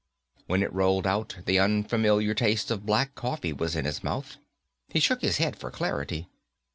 When it rolled out, the unfamiliar taste of black coffee was in his mouth. He shook his head for clarity.